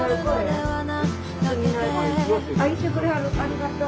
ありがとう。